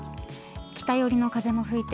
北寄りの風も吹いて